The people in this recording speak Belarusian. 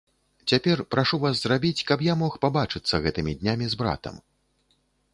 Цяпер прашу вас зрабіць, каб я мог пабачыцца гэтымі днямі з братам.